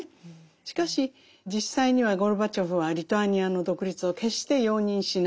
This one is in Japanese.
しかし実際にはゴルバチョフはリトアニアの独立を決して容認しない。